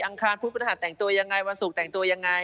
คารพุธพฤหัสแต่งตัวยังไงวันศุกร์แต่งตัวยังไง